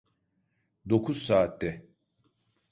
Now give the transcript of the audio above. Dokuz saatte.